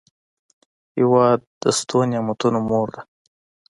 هېواد د شتو نعمتونو مور ده.